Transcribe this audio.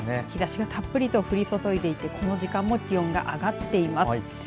日ざしがたっぷりと降り注いでいてこの時間も気温が上がっています。